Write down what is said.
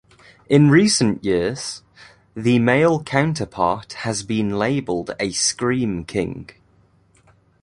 In recent years, the male counterpart has been labeled a scream king.